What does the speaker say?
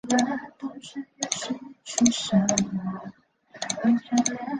该站因其西边的巩华城而得名。